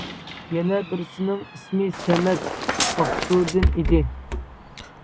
يەنە بىرسىنىڭ ئىسمى سەمەت، ئاقسۇدىن ئىدى.